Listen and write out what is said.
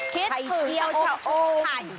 ใครเกี่ยวชะอม